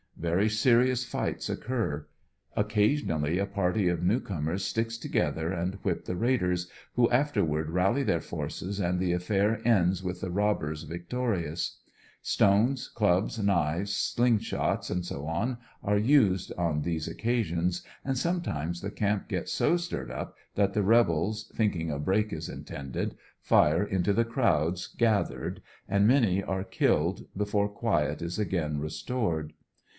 Very serious fights occur. Occasionally a party of new comers stick together and whip the raiders, who afterward rally their forces and the affair ends with the robbers victorious Stones, clubs, knives, slung shots, &c., are used on these occasions, and sometimes the camp gets so stirred up that the rebels, thinking a break is intended, fire into the crowds gathered, a:id many are killed before quiet is again restored.